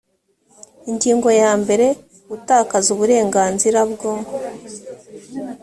ingingo ya mbere gutakaza uburenganzira bwo